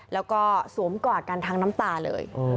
แล้วก็สวมกอดกันทั้งน้ำตาเลย